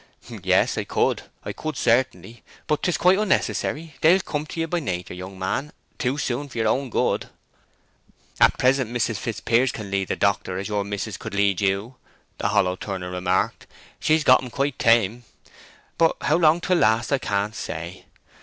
"Yes—I could. I could certainly. But 'tis quite unnecessary. They'll come to ye by nater, young man, too soon for your good." "At present Mrs. Fitzpiers can lead the doctor as your mis'ess could lead you," the hollow turner remarked. "She's got him quite tame. But how long 'twill last I can't say.